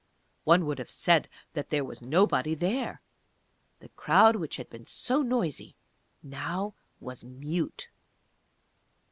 One would have said that there was nobody there. The crowd which had been so noisy now was mute.